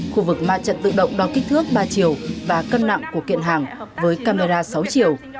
khu vực ma trận tự động đo kích thước ba chiều và cân nặng của kiện hàng với camera sáu triệu